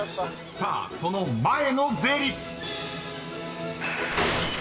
さあその前の税率］